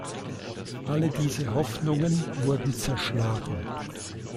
All diese Hoffnungen wurden zerschlagen.